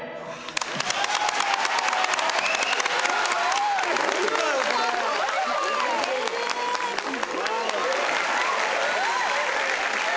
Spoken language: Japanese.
えすごい。